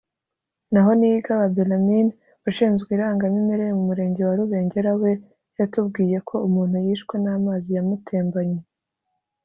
naho Niyigaba Beralmin ushinzwe irangamimerere mu Murenge wa Rubengera we yatubwiye ko umuntu yishwe n’amazi yamutembanye